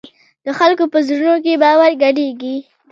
د خلکو په زړونو کې باور ګډېږي.